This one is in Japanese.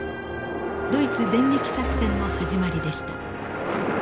ドイツ電撃作戦の始まりでした。